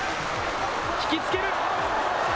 引き付ける。